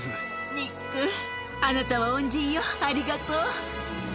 ニック、あなたは恩人よ、ありがとう。